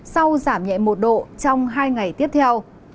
sau giảm nhẹ một độ trong hai ngày tiếp theo